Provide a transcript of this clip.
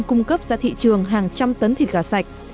cung cấp ra thị trường hàng trăm tấn thịt gà sạch